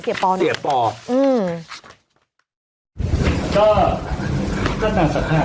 เราไปฟังเสียงเสียบป